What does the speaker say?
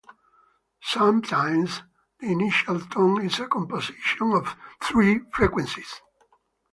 Sometimes the initial tone is a composition of three frequencies.